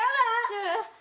チュー！